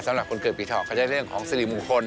สำหรับคนเกิดปีเถาเขาจะเรื่องของสิริมงคล